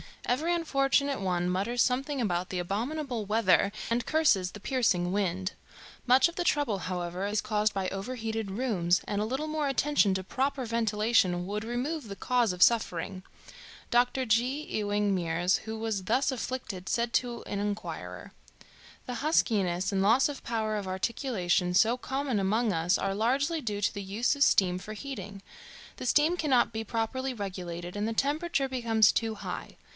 Every unfortunate one mutters something about the abominable weather and curses the piercing wind. Much of the trouble, however, is caused by overheated rooms, and a little more attention to proper ventilation would remove the cause of suffering. Doctor J. Ewing Mears, who was thus afflicted, said to an inquirer: "The huskiness and loss of power of articulation so common among us are largely due to the use of steam for heating. The steam cannot be properly regulated, and the temperature becomes too high.